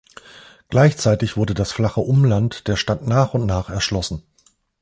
Gleichzeitig wurde das flache Umland der Stadt nach und nach erschlossen.